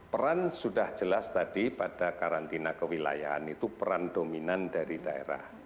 peran sudah jelas tadi pada karantina kewilayahan itu peran dominan dari daerah